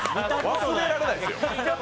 忘れられないです。